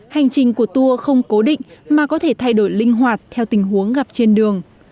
hành trình của tour không cố định mà có thể thay đổi linh hoạt theo tình huống gặp trên đường